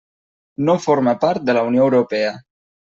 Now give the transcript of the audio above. No forma part de la Unió Europea.